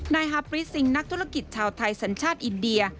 ฮาปริสซิงนักธุรกิจชาวไทยสัญชาติอินเดีย